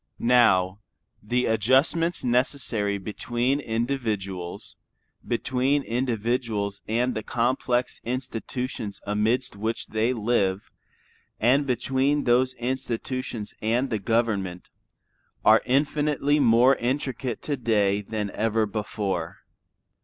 Now, the adjustments necessary between individuals, between individuals and the complex institutions amidst which they live, and between those institutions and the government, are infinitely more intricate to day than ever before.